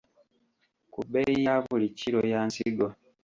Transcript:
Ku bbeeyi ya buli kilo ya nsigo.